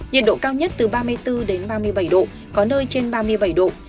nhiệt độ cao nhất từ ba mươi bốn đến ba mươi bảy độ có nơi trên ba mươi bảy độ